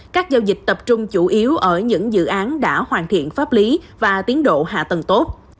các giao dịch tập trung chủ yếu ở những dự án đã hoàn thiện pháp lý và tiến độ hạ tầng tốt